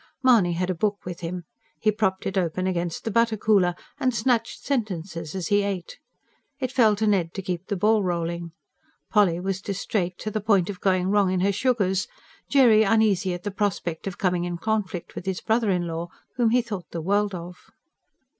Mahony had a book with him; he propped it open against the butter cooler, and snatched sentences as he ate. It fell to Ned to keep the ball rolling. Polly was distraite to the point of going wrong in her sugars; Jerry uneasy at the prospect of coming in conflict with his brother in law, whom he thought the world of.